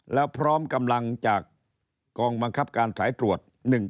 แล้วพร้อมกำลังจากกองบังคับการสายตรวจ๑๔